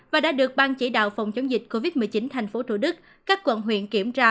và đã được ban chỉ đạo phòng chống dịch covid một mươi chín tp thủ đức các quận huyện kiểm tra